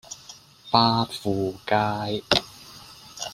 巴富街